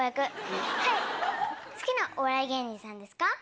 はい好きなお笑い芸人さんですか？